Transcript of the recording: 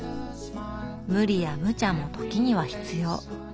無理や無茶も時には必要。